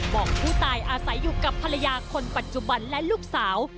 บอกผู้ตายอาศัยอยู่กับภรรยาคนปัจจุบันและลูกสาว